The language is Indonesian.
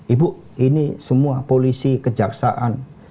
ibu ini semua polisi kejaksaan